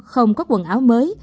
không có quần áo mới